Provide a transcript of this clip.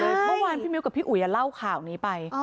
เมื่อวานพี่มิ้วกับพี่อุ๋ยเล่าข่าวนี้ไป